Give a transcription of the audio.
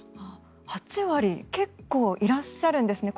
８割結構いらっしゃるんですね。